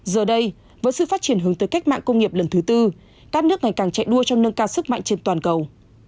giờ đây với sự phát triển hướng tới cách mạng công nghiệp lần thứ tư các nước ngày càng chạy đua trong nâng cao sức mạnh trên toàn cầu